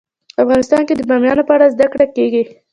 افغانستان کې د بامیان په اړه زده کړه کېږي.